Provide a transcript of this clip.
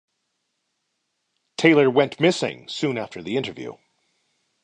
Taylor went missing soon after the interview.